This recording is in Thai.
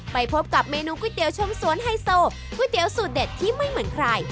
ไปพบกับเมนูก๋วยเตี๋ยชมสวนไฮโซก๋วยเตี๋ยวสูตรเด็ดที่ไม่เหมือนใคร